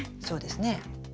そうですね。